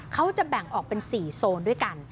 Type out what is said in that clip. เขาจะแบ่งออกเป็น๔โซนด้วยกัน